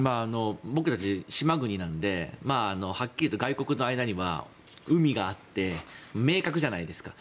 僕たち島国なのではっきりいうと、外国の間には海があって明確じゃないですか。